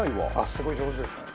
すごい上手ですね。